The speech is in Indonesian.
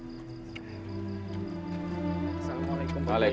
assalamualaikum pak yai